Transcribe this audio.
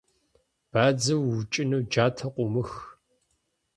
Бадзэ уукӏыну джатэ къыумых.